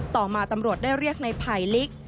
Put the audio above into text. ต่อมาตำรวจได้เรียกในไผ่ลิก